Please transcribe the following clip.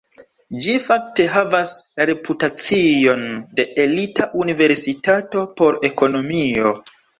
Ĝi fakte havas la reputacion de elita universitato por ekonomio.